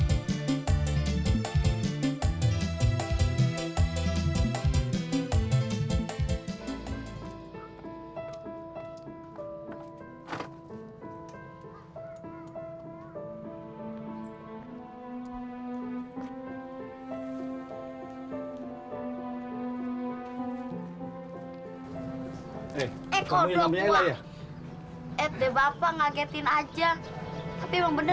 eh bapak ngagetin aja tapi mau bener bener saya duduk aja duduk aja